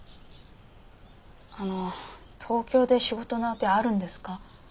あの東京で仕事の当てあるんですか？